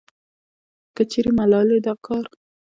کچېرې ملالې دا کار